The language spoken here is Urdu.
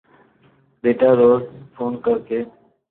بیٹا روز فون کر کے